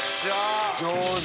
上手！